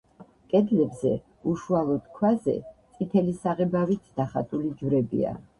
კედლებზე, უშუალოდ ქვაზე, წითელი საღებავით დახატული ჯვრებია.